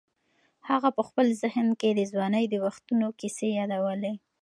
هغه په خپل ذهن کې د ځوانۍ د وختونو کیسې یادولې.